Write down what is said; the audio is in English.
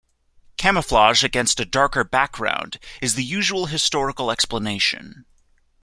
Camouflage against a darker background is the usual historical explanation.